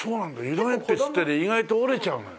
色鉛筆ってね意外と折れちゃうのよ。